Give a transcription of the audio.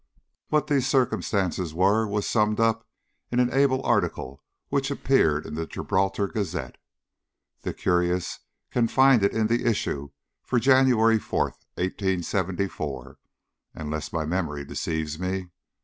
What these circumstances were was summed up in an able article which appeared in the Gibraltar Gazette. The curious can find it in the issue for January 4, 1874, unless my memory deceives me.